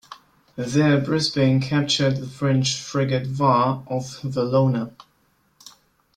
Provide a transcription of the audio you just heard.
There Brisbane captured the French frigate "Var" off Valona.